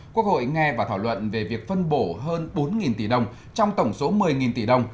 quốc hội nghe và thảo luận về việc phân bổ hơn bốn tỷ đồng trong tổng số một mươi tỷ đồng